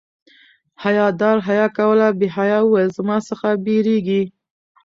حیا دار حیا کوله بې حیا ویل زما څخه بيریږي